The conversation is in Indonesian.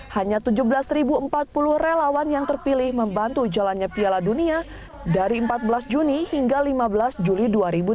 hanya tujuh belas empat puluh relawan yang terpilih membantu jalannya piala dunia dari empat belas juni hingga lima belas juli dua ribu dua puluh